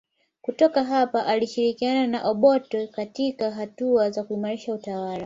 Kutoka hapa alishirikiana na Obote katika hatua za kuimarisha utawala